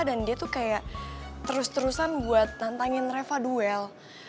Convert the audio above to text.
dan dia tuh kayak terus terusan buat nantangin reva duel